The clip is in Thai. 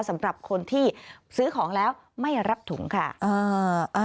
สำหรับคนที่ซื้อของแล้วไม่รับถุงค่ะ